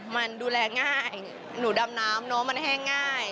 มันดูแลง่ายหนูดำน้ำเนอะมันแห้งง่าย